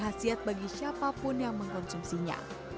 hasil bagi siapapun yang mengkonsumsinya